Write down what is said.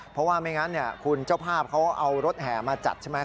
เพราะว่าไม่งั้นคุณเจ้าภาพเขาเอารถแห่มาจัดใช่ไหม